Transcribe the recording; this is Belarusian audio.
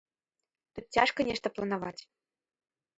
Тут цяжка нешта планаваць.